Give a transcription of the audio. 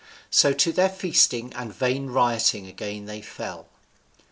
So to their feasting and vain rioting again they fell.